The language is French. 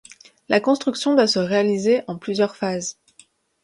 La construction doit se réaliser en plusieurs phases.